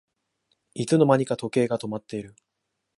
いつの間にか時計が止まってる